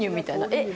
えっ。